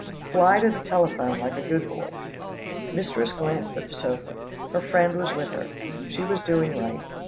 Fly to the telephone, like a good boy." Mistress glanced at the sofa. Her friend was with her. She was doing right.